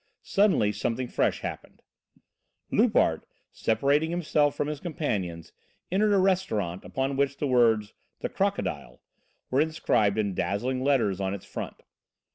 Suddenly something fresh happened. Loupart, separating himself from his companions, entered a restaurant upon which the words "The Crocodile" were inscribed in dazzling letters on its front.